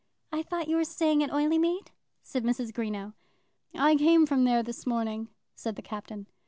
"I thought you were staying at Oileymead?" said Mrs. Greenow. "I came from there this morning," said the Captain.